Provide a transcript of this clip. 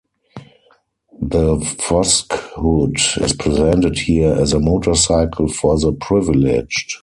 The Voskhod is presented here as a motorcycle for the privileged.